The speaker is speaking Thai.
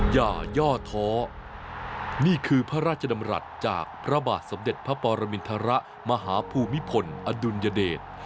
อย่าย่อท้อนี่คือพระราชดำรัฐจากพระบาทสมเด็จพระปรมินทรมาหาภูมิพลอดุลยเดช